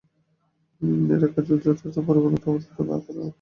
নিরাকারই যদি যথার্থ পরিপূর্ণতা হত তবে আকার কোথাও স্থান পেত না।